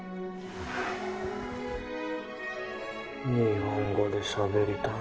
日本語でしゃべりたい